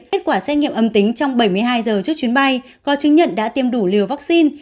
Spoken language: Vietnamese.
kết quả xét nghiệm âm tính trong bảy mươi hai giờ trước chuyến bay có chứng nhận đã tiêm đủ liều vaccine